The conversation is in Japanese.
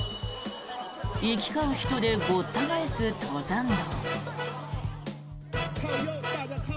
行き交う人でごった返す登山道。